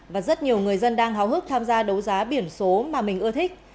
và rất nhiều người dân đang háo hức tham gia đấu giá biển số mà mình ưa thích